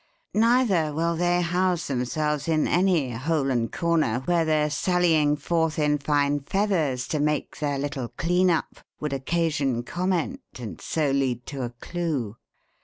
Neither will they house themselves in any hole and corner where their sallying forth in fine feathers to make their little clean up would occasion comment and so lead to a clue.